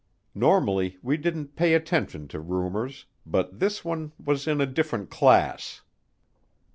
Normally we didn't pay attention to rumors, but this one was in a different class.